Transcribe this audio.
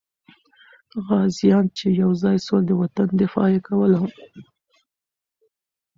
غازیان چې یو ځای سول، د وطن دفاع یې کوله.